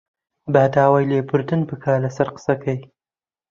با داوای لێبوردن بکات لەسەر قسەکەی